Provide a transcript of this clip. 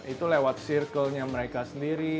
itu lewat circle nya mereka sendiri